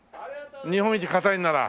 日本一硬いんなら。